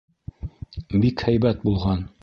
Бик һәйбәт булған.